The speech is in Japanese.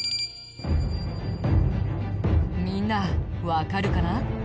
みんなわかるかな？